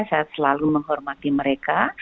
saya selalu menghormati mereka